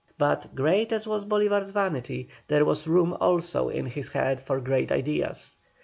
But, great as was Bolívar's vanity, there was room also in his head for great ideas.